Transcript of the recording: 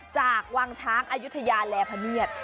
จากวังช้างอายุทยาแลพเนียด